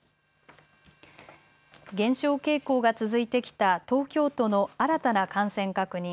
減少傾向が続いてきた東京都の新たな感染確認。